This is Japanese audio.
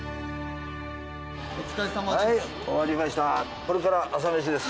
お疲れさまです。